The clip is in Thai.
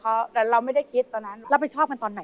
ก็โทรหาใครก็ไม่รับก็เลยนึกถึงเขา